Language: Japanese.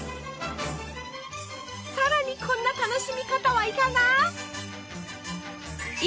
さらにこんな楽しみ方はいかが？